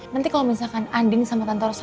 nanti kalau misalkan andin sama tante rosa